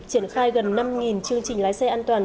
triển khai gần năm chương trình lái xe an toàn